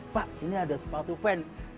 pak ini ada sepatu fan